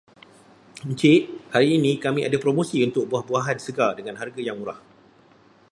Encik, hari ini kami ada promosi untuk buah-buahan segar dengan harga yang murah.